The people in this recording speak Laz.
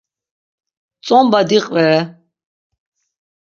Tzomp̌a diqvere.